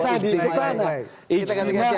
kan kesana tadi kesana